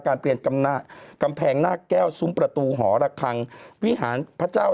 เปลี่ยนกำแพงหน้าแก้วซุ้มประตูหอระคังวิหารพระเจ้า